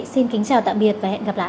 xin kính chào tạm biệt và hẹn gặp lại